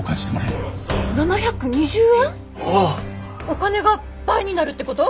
お金が倍になるってこと？